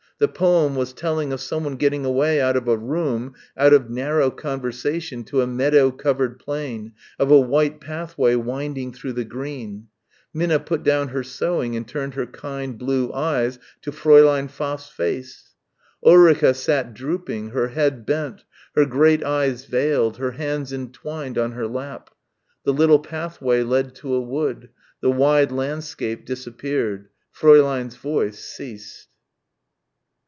The poem was telling of someone getting away out of a room, out of "narrow conversation" to a meadow covered plain of a white pathway winding through the green. Minna put down her sewing and turned her kind blue eyes to Fräulein Pfaff's face. Ulrica sat drooping, her head bent, her great eyes veiled, her hands entwined on her lap.... The little pathway led to a wood. The wide landscape disappeared. Fräulein's voice ceased.